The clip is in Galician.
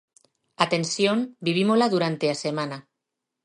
A tensión vivímola durante a semana.